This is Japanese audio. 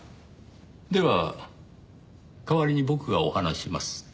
では代わりに僕がお話しします。